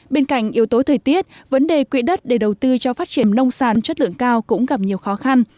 bên cạnh yếu tố thời tiết vấn đề quỹ đất để đầu tư cho phát triển nông sản chất lượng cao cũng gặp nhiều khó khăn